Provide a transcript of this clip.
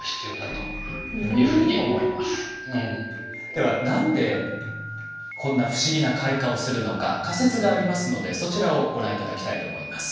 では何でこんな不思議な開花をするのか仮説がありますのでそちらをご覧頂きたいと思います。